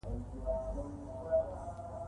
زغال د افغانستان په اوږده تاریخ کې ذکر شوی دی.